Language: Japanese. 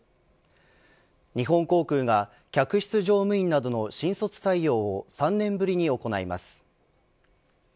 日本航空が客室乗務員などの新卒採用を３年ぶりに行います。